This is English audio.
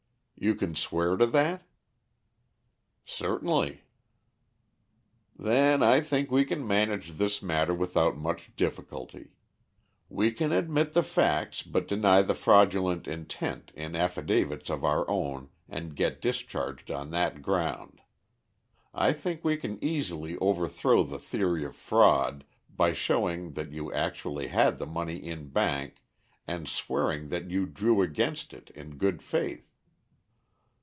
"You can swear to that?" "Certainly." "Then I think we can manage this matter without much difficulty. We can admit the facts but deny the fraudulent intent, in affidavits of our own, and get discharged on that ground. I think we can easily overthrow the theory of fraud by showing that you actually had the money in bank and swearing that you drew against it in good faith."